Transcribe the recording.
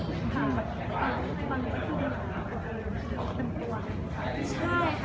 มีบางคนก็เป็นตัว